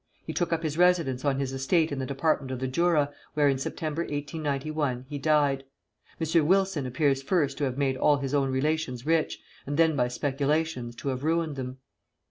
He took up his residence on his estate in the Department of the Jura, where, in September, 1891, he died. M. Wilson appears first to have made all his own relations rich, and then by speculations to have ruined them.